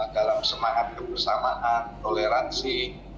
dalam semangat kebersamaan toleransi